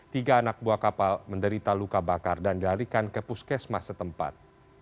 tiga anak buah kapal menderita luka bakar dan dilarikan ke puskesmas setempat